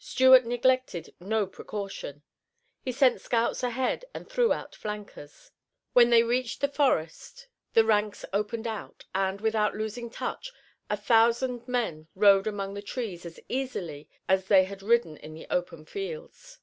Stuart neglected no precaution. He sent scouts ahead and threw out flankers. When they reached the forest the ranks opened out, and, without losing touch, a thousand men rode among the trees as easily as they had ridden in the open fields.